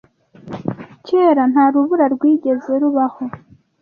Kera, nta rubura rwigeze rubaho.